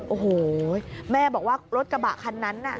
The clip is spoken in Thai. โอ้โหแม่บอกว่ารถกระบะคันนั้นน่ะ